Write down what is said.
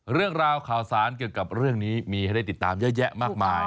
เรื่องราวข่าวสารเกี่ยวกับเรื่องนี้มีให้ได้ติดตามเยอะแยะมากมาย